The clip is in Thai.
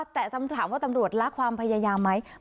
แต่ถามว่าตำรวจละความพยายามไหม